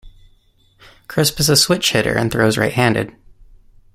Crisp is a switch-hitter and throws right-handed.